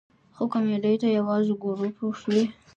خو کمیډۍ ته یوازې ګورو پوه شوې!.